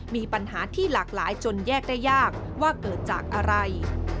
มีปัญหาที่หลากหลายจนแยกได้ยากว่าเกิดจากอะไร